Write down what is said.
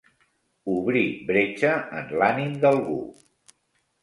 Obrir bretxa en l'ànim d'algú.